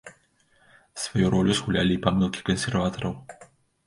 Сваю ролю згулялі і памылкі кансерватараў.